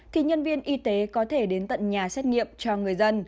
thì nhân viên y tế có thể đến tận nhà xét nghiệm cho người dân